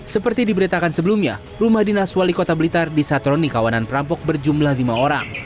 seperti diberitakan sebelumnya rumah dinas wali kota blitar disatroni kawanan perampok berjumlah lima orang